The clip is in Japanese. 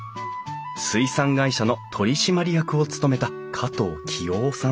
水産会社の取締役を務めた加藤清郎さん。